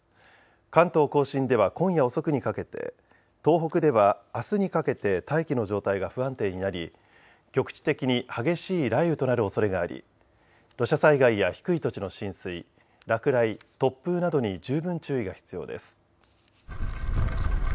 関東甲信では今夜遅くにかけて、東北ではあすにかけて大気の状態が不安定になり局地的に激しい雷雨となるおそれがあり土砂災害や低い土地の浸水、落雷、突風などに十分注意が必要です。